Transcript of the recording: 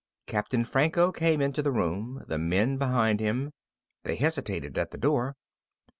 Captain Franco came into the room, the men behind him. They hesitated at the door.